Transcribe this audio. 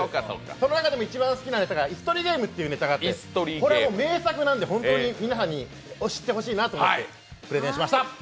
その中でも一番好きなネタが「椅子取りゲーム」っていうネタがあって、これはもう名作なんで、ホントに皆さんに知ってほしいと思ってプレゼンしました。